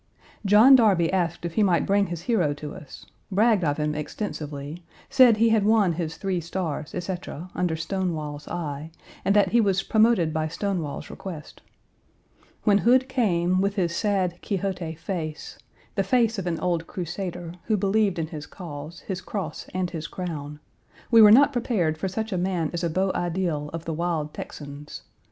John Darby asked if he might bring his hero to us; bragged of him extensively; said he had won his three stars, etc., under Stonewall's eye, and that he was promoted by Stonewall's request. When Hood came with his sad Quixote face, the face of an old Crusader, who believed in his cause, his cross, and his crown, we were not prepared for such a man as a beau ideal of the wild Texans.